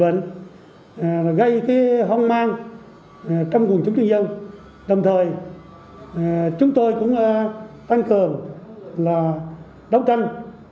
bệnh gây hong mang trong nguồn chủ trương dân đồng thời chúng tôi cũng tăng cường đấu tranh